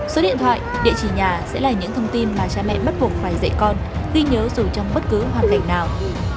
số điện thoại địa chỉ nhà sẽ là những thông tin mà cha mẹ bắt buộc phải dạy con ghi nhớ dù trong bất cứ hoàn cảnh nào